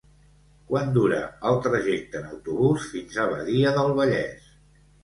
Quant dura el trajecte en autobús fins a Badia del Vallès?